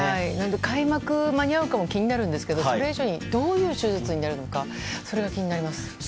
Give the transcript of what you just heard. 開幕間に合うか気になるんですけど、それ以上にどういう手術になるのかが気になります。